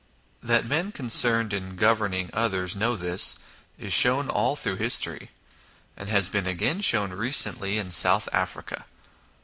That men concerned in governing others know this, is shown all through history, and has been again shown recently in South Africa.